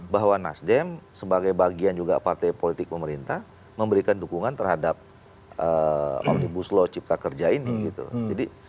bahwa nasdem sebagai bagian juga partai politik pemerintah memberikan dukungan terhadap omnibus law cipta kerja ini gitu